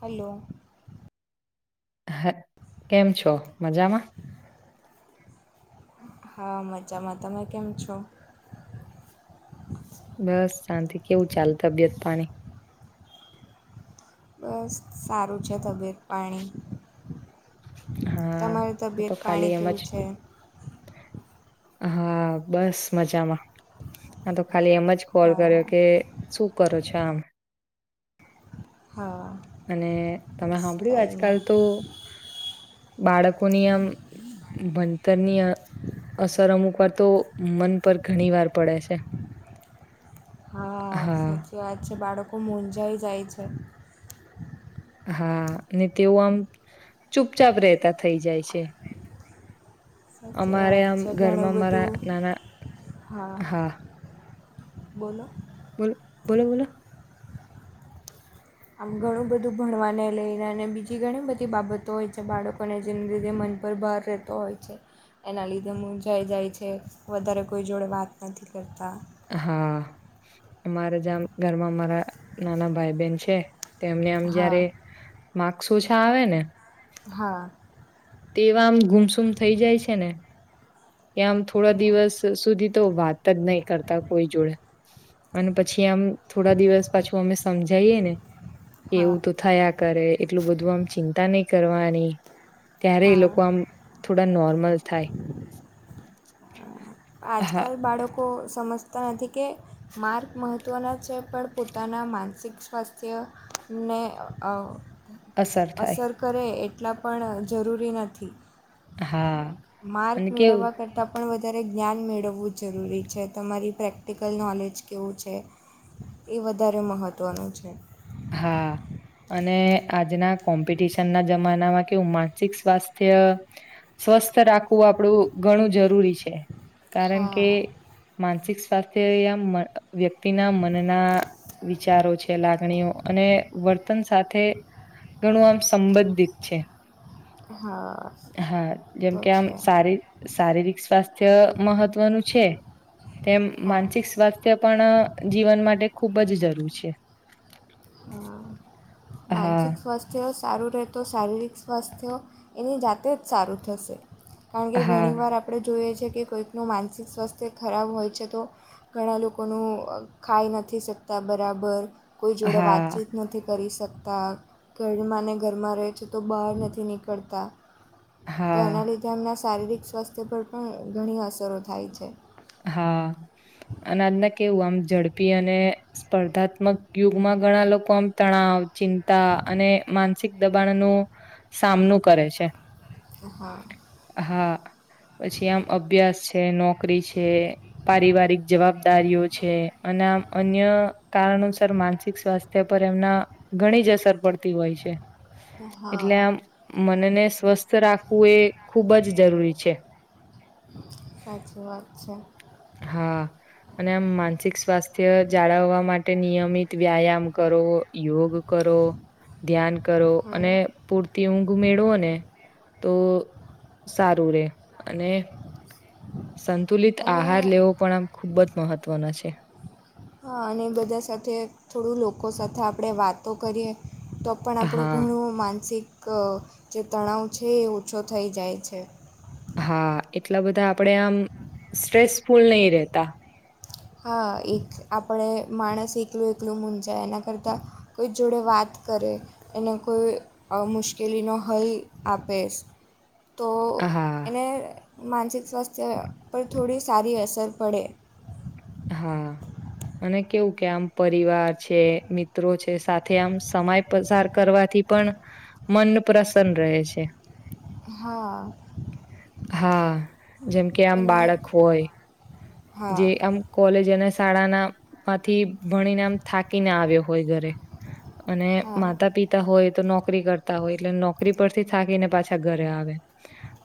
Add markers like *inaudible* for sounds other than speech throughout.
Hello. હા, કેમ છો મજામાં હા, મજામાં તમે કેમ છો? બસ શાંતિ, કેવું ચાલ તબિયત પાણી? બસ સારું છે, તબિયત પાણી. હા, તમારું હા તો તબિયત ખાલી પાણી એમ જ કેવું છે હા, બસ મજામાં આ તો ખાલી એમ જ, કોલ કર્યો હા કે શું કરો છો, આમ. હા. અને તમે બસ સાંભળ્યું કંઈ આજકાલ, નહીં તો. બાળકોની, આમ ભણતરની. અસર અમુક વાર, તો મન પર ઘણી વાર પડે છે. હા. નથી વાત છે, બાળકો મૂજાઈ જાય છે. હા, અને તેઓ આમ ચુપચાપ રહેતા થઈ, જાય છે. *inaudible* સાચી અમારે વાત આમ છે ઘણું ઘરમા, મારા બધું નાના, હા. બોલો. બોલો, બોલો બોલો. આમ ઘણું, બધું ભણવાને લઈને, અને બીજી ઘણી બધી બાબતો હોય છે, બાળકોને જેને લીધે મન. પર ભાર રહેતો હોય છે. એના લીધે હું, જઈ જાય છે, વધારે કોઈ જોડે વાત નથી, કરતા. હા, અમારે જેમ ઘરમાં મારા નાના ભાઈ, બેન છે. તોમને આમ હા જયારે માર્કસ ઓછા, આવે ને. હા. તેવા આમ ગુમસુમ થઈ જાય, છેને. કે આમ થોડા દિવસ સુધી, તો વાત જ નહી. કરતા કોઈ જોડે, અને પછી આમ થોડા દિવસ પાછું, અમે સમજાયએ ને. હા એવું, તો થયા કરે એટલું બધું આમ ચિંતા, નહી કરવાની. ત્યારે, એ લોકો આમ હા થોડા, નોર્મલ થાય. આજ, હા કલ બાળકો સમજ નથી, કે માર્ગ મહત્ત્વના છે, પણ પોતાના માનસિક સ્વાસ્થ્ય. ને અસર કરે, એટલા પણ જરૂરી, નથી. હા માર્ક અને કેવું મેળવવા કરતાં, પણ વધારે. જ્ઞાન મેળવવું જરૂરી છે, તમારી પ્રેક્ટિકલ નોલેજ કેવું છે. એ વધારે મહત્વનું છે. હા. અને આજના કોમ્પિટિશન ના જમાનામાં કેવું માનસિક સ્વાસ્થ્ય સ્વસ્થ રાખવું આપડું ઘણું જરૂરી છે, કારણ કે હા માનસિક સાથે વ્યક્તિના મનના વિચારો છે લાગણીઓ અને વર્તન સાથે, ગણું આમ સંબંધિત છે. હા. હા જેમ તો કે છે આમારી શારીરિક સ્વાસ્થ્ય મહત્વનું છે. તેમ હા માનસિક સ્વાસ્થ્ય પણ જીવન માટે ખૂબ જ જરૂર છે. હ, હા માનસિક સ્વાસ્થ્ય સારું રહેતો શારીરિક સ્વાસ્થ્ય, એની જાતે જ સારું થશે કારણ કે હા ઘણી વાર આપણે જોઈએ કે કોઈકનું માનસિક સ્વાસ્થ્ય ખરાબ હોય છે તો, ઘણા લોકોનું ખાઈ નથી શકતા ના બરાબર. કોઈ જોડે હા. વાતચીત નથી કરી શકતા ઘર માને ઘરમાં રહે છે તો બહાર નથી નીકળતા. તો હા એના લીધે એમના શારીરિક સ્વાસ્થ્ય પર પણ ઘણી અસરો થાય છે. હા, અને આજના કેવું આમ ઝડપી અને સ્પર્ધાત્મક યુગમાં ઘણા લોકો આમ તણાવ, ચિંતા અને માનસિક દબાણનુ, સામનો કરે છે. હ હા. હા, પછી આમ અભ્યાસ છે નોકરી છે પારિવારિક જવાબદારીઓ છે અને આમ અન્ય કારણોસર માનસિક સ્વાસ્થ્ય પર એમના ઘણી જ અસર પડતી હોય છે. એટલે હા આમ મનને સ્વસ્થ રાખવું એ ખૂબ જ જરૂરી છે. સાચી વાત છે. હા. અને આમ માનસિક સ્વાસ્થ્ય જાળવવા માટે નિયમિત વ્યાયામ કરો યોગ કરો ધ્યાન કરો અને હા પ તે ઘુમેડવો ને, તો સારું રે અને સંતુલિત અને આહાર લેવો પણ આમ ખૂબ જ મહત્વનો છે. હ અને બધા સાથે થોડું લોકો સાથે આપણે વાતો કરીએ તો પણ આપણું હા ઘણું માનસિક ક, જે તણાવ છે એ ઓછો થઈ જાય છે. હા એટલા બધા આપણેે આમ સ્ટ્રેસફુલ નહી રેતા. હા એક આપણે માણસ એકલું એકલું મૂજાય એના કરતાં, કોઈ જોડે વાત કરે, એને કોઈ મુશ્કેલીનો હલ આપે. તો હા એને માનસિક સ્વાસ્થ્ય પર થોડી સારી અસર પડે. હા. મ કેવું કે આમ પરિવાર છે મિત્રો છે સાથે આમ સમય પસાર કરવાથી થી પણ, મન પ્રસન્ન રહે છે. હા. હા જેમ કે આમ અને બાળક હોય હા જે એમ કોલેજ તેને શાળાના માંથી વણી નામ થાકીને આવ્યો હોય ઘરે. અને હા માતા પિતા હોય તો નોકરી કરતા હોય એટલે નોકરી પરથી થાકીને પાછા ઘરે આવે.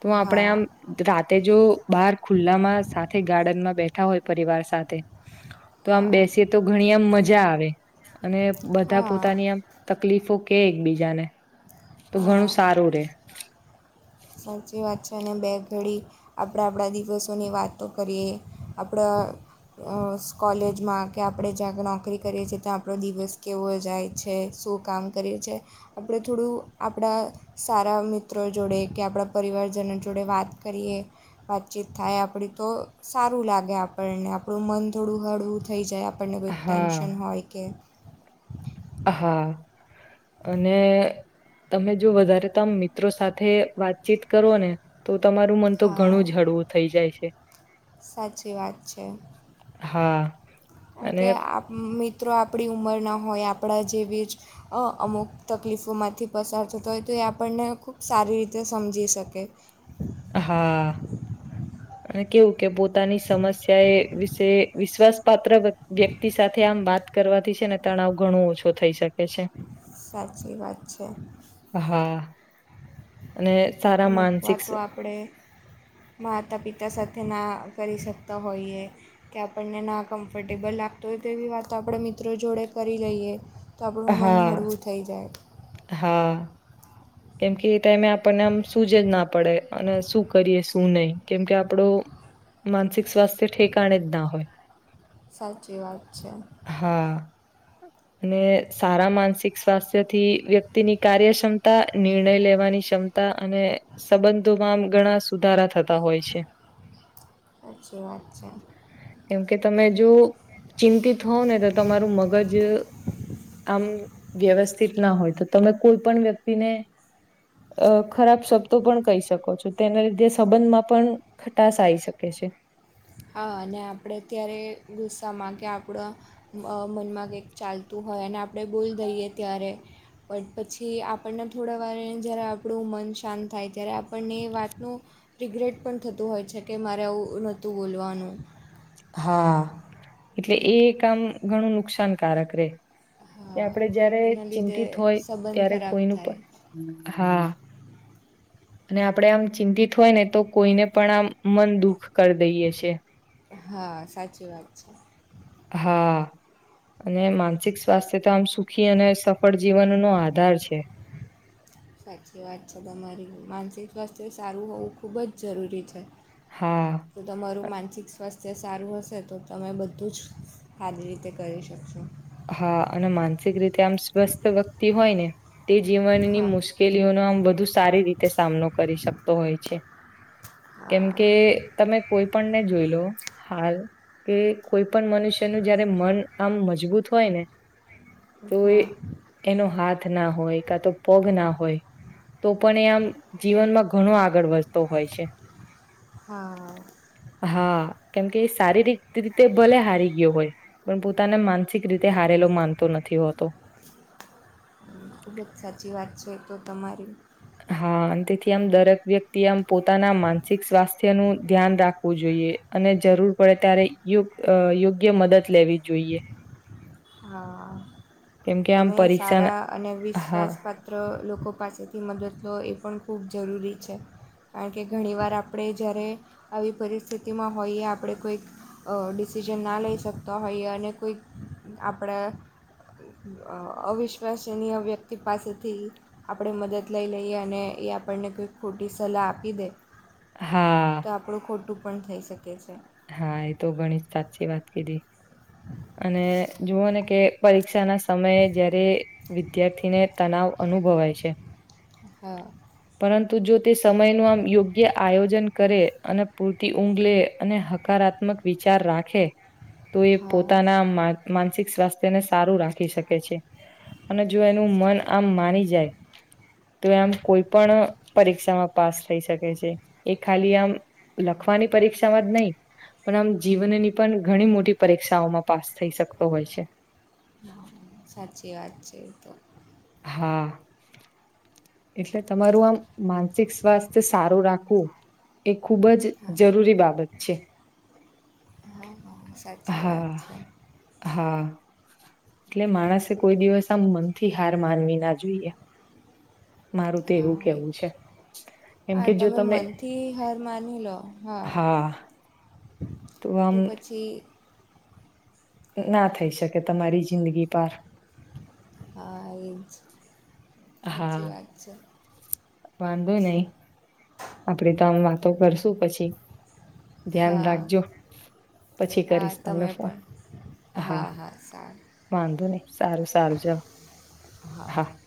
તો હા આપણેે આમ રાતે જો બાર ખુલ્લામાં સાથે ગાર્ડનમાં બેઠ ઠા હોય પરિવાર સાથે, તો આમ હા બેસી તો ઘણી આમ મજા આવે. અને બધા હા પોતાની આમ તકલીફો કે એકબીજાને. તો હા ઘણું સારું રે. સાચી વાત છે અને બે ઘડી, આપણે આપણા દિવસોની વાતો કરીએ, આપણા હા. અસ કોલેજમાં કે આપણે જ્યાંળ નોકરી કરીએ છીએ, ત્યાં આપણો દિવસ કેવો જાય છે. શું કામ કરીએ છીએ, આપણે થોડું આપણા સારા મિત્રો, જોડે. કે આપણા પરિવારજનો જોડે, વાત કરીએ વાતચીત થાય, આપણી તો સારું લાગે આપણે. આપણને આપણું મન થોડું હળવું થઈ, જાય આપણને કોઈક હા ટેન્શન હોય, કે હા, અને. તમે જો વધારે, તમે મિત્રો સાથે વાતચીત કરો ને, તો તમારું મન, તો ઘણું હા જ હળવું થઈ, જાય છે. ક છેે. હા કારણ અને કે, મિત્રો આપણી ઉમર ના હોય, આપણા જે વેજ અમુક તકલીફોમાંથી પસાર થતો હોય, તો એ આપણને ખૂબ સારી રીતે સમજી. શકે. હા. અને કેવું કે, પોતાની સમસ્યા એ વિશે વિશ્વાસ પાાત્ર વ્યક્તિ, સાથે આમ વાત ત કરવાથી છેને, તણાવ ઘણું ઓછો થઈ, શકે છે સાચી વાત છે હા અને સારા અમુક માનસિક વાતો, આપણે માતા, પિતા સાથેના કરી શકતા હોઈએ, કે આપણને ના કમ્ફર્ટેબલ લાગતો હોય, તેવી વાત આપણા મિત્રો જોડે કરી લઈએ, તો આપણું મન હા હળવું થઈ, જાય હા. કેમકે એ ટાઈમે આપણને આમ શુંજ જ, ના પડે અને શું કરીએ, શું નહીિ, કેમ કે આપણું માનસિક સ્વાસ્થ્ય ઠેકણે, જ ના હોય સાચી, વાત છે. હા અને સારા માનસિક સ્વાસ્થ્ય, થી વ્યક્તિની કાર્યક્ષમતા નિર્ણય લેવાની સમતા, અને સંબંધોમાંમ ઘણા સુધારા થતા. હોય છે, સાચી વાત છે કેમ કે તમે જો. ચિંતિત હોવ, ને તો તમારું મગજ. આમ વ્યવસ્થિતના હોય, તો તમે કોઈ પણ વ્યક્તિને અ ખરાબ શબ્દો પણ કહી શકો છો, તેના લીધે સંબંધમાં પણ ખટશ આવી શકે છે. છે. હા, અને આપણે અત્યારે ગુસ્સામાં કે આપણા મનમાં કંઈક ચાલતું હોય, અને આપણે બોલ દઈએ, ત્યારે બટ પછી, આપણને થોડા, વાર જ્યારે આપણું મન શાંત થાય, ત્યારે આપણને એ વાતનું રિગ્રેટ પણ થતું હોય છે, કે મારે આવું નહોતું બોલવાનું હા, એટલે એ કામ ઘણું, નુકસાનકારક રે કે હા આપડે જયારે એના લીધે ચિંતિત હોય, સંબંધ ત્યારે ખરાબ કોઈનું થાય પણ હા *unintelligible* અને આપણે આમ ચિંતિત હોય, ને તો કોઈને પણ આમ મન દુઃખ કરી દઈએ છે. હા, સાચી વાત છે. હા. અને માનસિક સ્વાસ્થ્ય, તો આમ સુખી અને સફળ જીવનનોો આધાર છે. *unintelligible* સાચી વાત છે, તમારી માનસિક સ્વાસ્થ્ય સારું હોવું, ખૂબજ જરૂરી છે. તો હા તમારું માનસિક સ્વાસ્થ્ય તે સારું હશે, તો તમે બધું જ સારી રીતે કરી શકશો હા, અને માનસિક રીતે આમ સ્વસ્થ વ્યક્તિ હોય, ને તે જીવનની હા મુશ્કેલીઓનો આમ વધુ સારી રીતે સામનો કરી શકતો હોય, છે. કેમ હા કે, તમે કોઈ ને જો લો હાલ, કે કોઈ પણ મનુષ્ય ન જયારે મન આમ મજબૂત. હોય, ને તો એ હા એનો હાથ. હાથ ના હોય કા તો પગ ના હોય તો પણ એ આમ જીવનમાં ઘણો આગળ વધતો હોય છે. હા. હા કેમકે શારીરિક રીતે ભલે હારી ગયો હોય, પણ પોતાના માન સીક રીતે હારેલો માનતો નથી હોતો. ખૂબ જ સાચી વાત છે તો તમારી હા અને તેથી આમ દરેક વ્યક્તિ આમ પોતાના માનસિક સ્વાસ્થ્ય નું ધ્યાન રાખવું જોઈએ. અને જરૂર પડે ત્યારે યો યોગ્ય મદદ લેવી જોઈએ. હા. કેમકે આમ તમે પરીક્ષા સારા અને હા વિશ્વાસપાત્ર લોકો પાસેથી મદદ તો એ પણ ખૂબ જરૂરી છે. કારણ કે ઘણી વાર આપણે જ્યારે આવી પરિસ્થિતિમાં હોઈએ આપણે કોઈક ડિ ડિસિઝન ના લઈ શકતા હોઈએ અને કોઈક આપણા અ એ એવીઇશ્ક યુવ્યક્તિ પાસેથી આપણે મદદ લઈ લઈએ અને એ આપણને કોંઈ ખોટી સલાહ આપી દે હા તો આપણું ખોટું પણ થઈ શકે છે હા, એ તો ઘણી સાચી વાત કીધી અને જુઓ ને કે પરીક્ષા ના સમયે જયારે વિદ્યાર્થીને તનાવ અનુભવાય છે હા. પરંતુ જો તે સમય નું આમ યોગ્ય આયોજન કરે અને પૂરતી ઊંઘ લે અને હકારાત્મક વિચાર રાખે, તો એ હા પોતાના હા માર્કમાં માનસિક સ્વાસ્થ્યને સારું રાખી શકે છે અને જો એનું મન આમ માની જાય તો આમ કોઈ પણ પરીક્ષામાં પાસ થઈ શકે છે, એ ખાલી આમ લખવાની પરીક્ષામાં જ નહી પણ આમ જીવનની પણ ઘણી મોટી પરીક્ષાઓમાં પાસ થઈ શકતો હોય છે. હા. સાચી વાત છે એ તો. હા. એટલે તમારું આમ માનસિક સ્વાસ્થ્ય સારું રાખવું એક ખૂબ જ હા જરૂરી બાબત છે. હા હા સાચી વાત હા. છે હા. એટલે માણસે કોઈ દિવસ આમ મનથી હાર માનવી ના જોઈએ મારું તો હા એવું એ કેવું છે. કેમ હા, કે જો તમે મનથી હાર માની લો હા તો પછી ના થઈ શકે તમારી જિંદગી પાર હા એજ હા સાચી વાત છે વાંધો નહી આપડે તો આમ વાતો કરશું પછી ધ્યાન હા રાખજો, પછી હા કરીશ તમને તમે ફોન પણ હા. હા. સારું. વાંધો નહી સારું સારું, જાવ હા.